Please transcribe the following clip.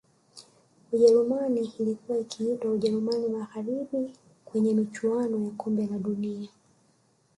Ujerumani ilkuwa ikiitwa Ujerumani Magharibi kwenye michuano ya kombe la dunia